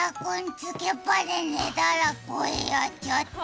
つけっぱで寝たら声やっちゃった。